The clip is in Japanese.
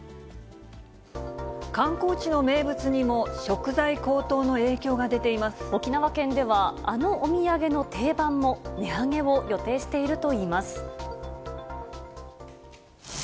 観光地の名物にも食材高騰の沖縄県では、あのお土産の定番も値上げを予定しているといいます。